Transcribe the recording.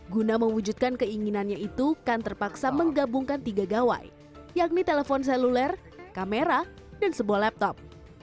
guna mewujudkan keinginannya itu kan terpaksa menggabungkan tiga gawai yakni telepon seluler kamera dan sebuah laptop